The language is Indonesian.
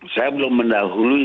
saya belum mendahului